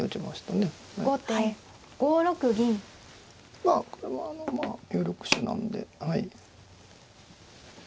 まあこれもまあ有力手なんで。